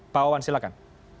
pak wawan silakan